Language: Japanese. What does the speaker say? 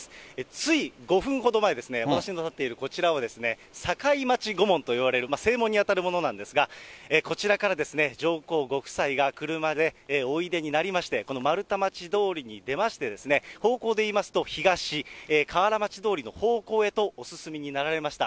つい５分ほど前ですね、私の立っているこちらをさかいまち御門と呼ばれる正門に当たるものなんですが、こちらからですね、上皇ご夫妻が車でおいでになりまして、このまるたまち通りに出ましてですね、方向でいいますと東、かわらまち通りの方向へとお進みになられました。